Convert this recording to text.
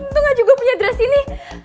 tunggu gak juga punya dress ini